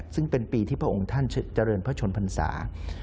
ซึ่งเป็นปีที่พระองค์ท่านเจริญพระชนพรรษา